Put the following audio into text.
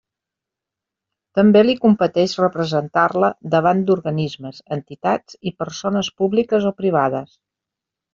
També li competeix representar-la davant d'organismes, entitats i persones públiques o privades.